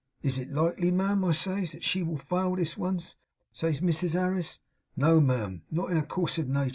IS it likely, ma'am," I says, "as she will fail this once?" Says Mrs Harris "No, ma'am, not in the course of natur.